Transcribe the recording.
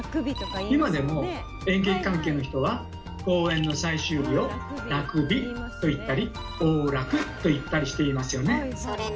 今でも演劇関係の人は公演の最終日を「楽日」と言ったり「大楽」と言ったりしていますよね。